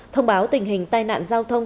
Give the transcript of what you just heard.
thông báo tình hình tai nạn giao thông